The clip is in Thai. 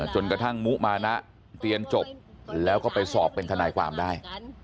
จนกระทั่งมุมานะเรียนจบแล้วก็ไปสอบเป็นทนายความได้